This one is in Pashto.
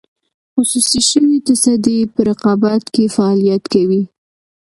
خصوصي شوې تصدۍ په رقابت کې فعالیت کوي.